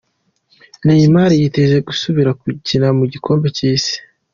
Neymar yiteze gusubira gukina mu gikombe c'isi.